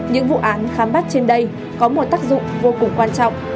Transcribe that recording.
những vụ án khám bắt trên đây có một tác dụng vô cùng quan trọng